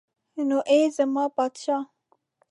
نو ای زما پادشاه.